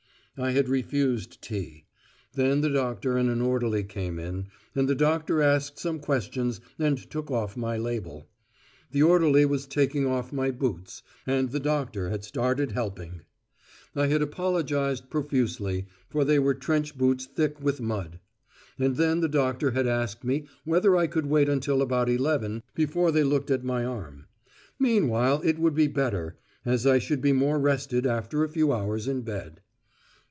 I had refused tea. Then the doctor and an orderly came in, and the doctor asked some questions and took off my label. The orderly was taking off my boots, and the doctor had started helping! I had apologised profusely, for they were trench boots thick with mud. And then the doctor had asked me whether I could wait until about eleven before they looked at my arm: meanwhile it would be better, as I should be more rested after a few hours in bed.